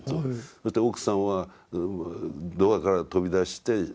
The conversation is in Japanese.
そして奥さんはドアから飛び出して即死したと。